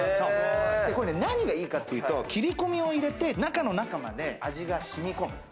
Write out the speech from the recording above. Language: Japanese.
これね、何がいいかっていうと切り込みを入れて、中の中まで味がしみ込む。